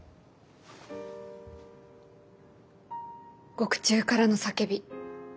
「獄中からの叫び」。